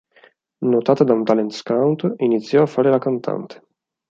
Notata da un talent scout, iniziò a fare la cantante.